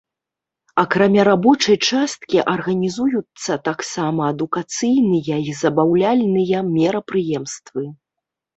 Акрамя рабочай часткі арганізуюцца таксама адукацыйныя і забаўляльныя мерапрыемствы.